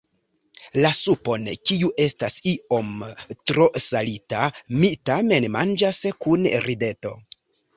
La supon, kiu estas iom tro salita, mi tamen manĝas kun rideto.